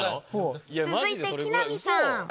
続いて木南さん。